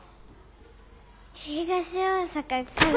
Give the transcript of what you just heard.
東大阪から。